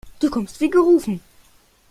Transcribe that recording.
Du kommst wie gerufen.